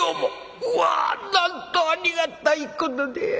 うわなんとありがたいことで。